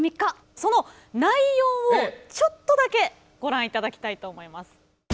その内容をちょっとだけご覧頂きたいと思います。